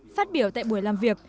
phát biểu tại buổi làm việc